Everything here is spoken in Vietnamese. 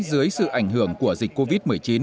dưới sự ảnh hưởng của dịch covid một mươi chín